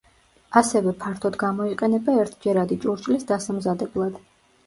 ასევე ფართოდ გამოიყენება ერთჯერადი ჭურჭლის დასამზადებლად.